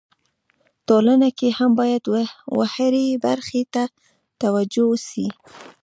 ټولنه کي هم باید و هري برخي ته توجو وسي.